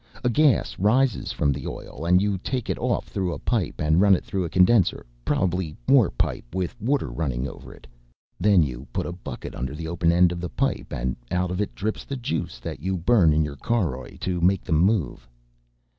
A gas rises from the oil and you take it off through a pipe and run it through a condenser, probably more pipe with water running over it. Then you put a bucket under the open end of the pipe and out of it drips the juice that you burn in your caroj to make them move."